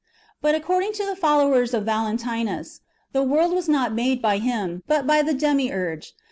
But ac cording to the followers of Valentinus, the world was not made by Him, but by the Demiurge.